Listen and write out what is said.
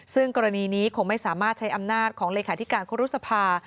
ซึ่งกรณีนี้คงไม่สามารถใช้อำนาจของเลขาธิการครุษภา